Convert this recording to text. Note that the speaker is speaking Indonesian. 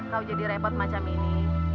kau jadi repot macam ini